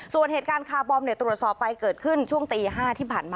ส่วนเหตุการณ์คาร์บอมตรวจสอบไปเกิดขึ้นช่วงตี๕ที่ผ่านมา